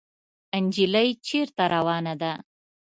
انجلۍ چېرته روانه ده ؟